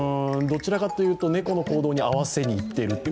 どちらかというと猫の行動に合わせにいっていると。